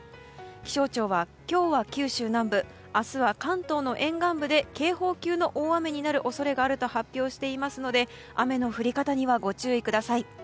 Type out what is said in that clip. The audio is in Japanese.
気象庁は、今日は九州南部明日は関東の沿岸部で警報級の大雨になる恐れがあると発表していますので雨の降り方にはご注意ください。